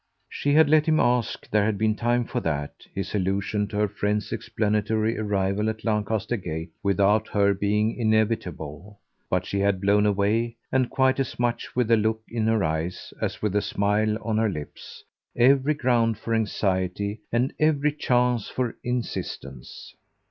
She had let him ask there had been time for that, his allusion to her friend's explanatory arrival at Lancaster Gate without her being inevitable; but she had blown away, and quite as much with the look in her eyes as with the smile on her lips, every ground for anxiety and every chance for insistence.